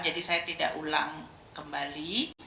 jadi saya tidak ulang kembali